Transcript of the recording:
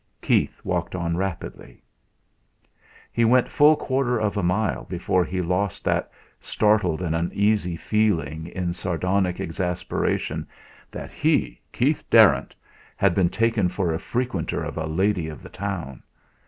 Keith walked on rapidly: He went full quarter of a mile before he lost that startled and uneasy feeling in sardonic exasperation that he, Keith Darrant, had been taken for a frequenter of a lady of the town.